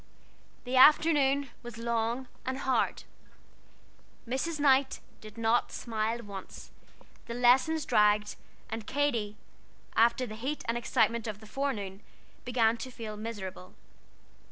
The afternoon was long and hard. Mrs. Knight did not smile once; the lessons dragged; and Katy, after the heat and excitement of the forenoon, began to feel miserable.